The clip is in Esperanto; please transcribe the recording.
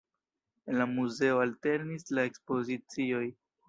En la muzeo alternis la ekspozicioj.